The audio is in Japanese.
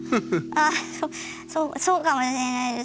ああそうかもしれないです